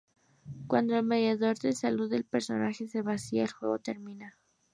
Cuando el medidor de salud del personaje se vacía, el juego termina.